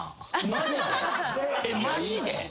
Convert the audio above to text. マジで？